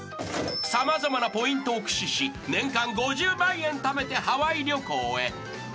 ［様々なポイントを駆使し年間５０万円ためてハワイ旅行へ］